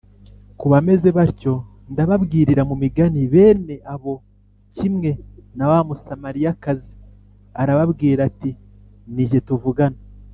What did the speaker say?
Ku bameze batyo, ntababwirira mu migani. Bene abo, kimwe na wa musamariyakazi, arababwira ati, “Ni Jye tuvugana.”